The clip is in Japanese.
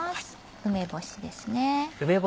梅干しですね。